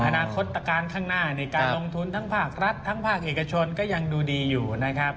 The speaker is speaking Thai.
อนาคตการข้างหน้าในการลงทุนทั้งภาครัฐทั้งภาคเอกชนก็ยังดูดีอยู่นะครับ